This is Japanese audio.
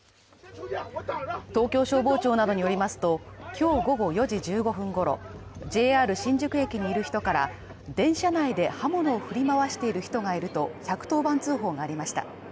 東京消防庁などによりますと今日午後４時１５分ごろ、ＪＲ新宿駅にいる人から電車内で刃物を振り回している人がいると１１０番通報がありました。